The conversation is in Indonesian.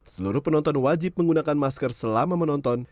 seluruh penonton wajib menggunakan masker selama menonton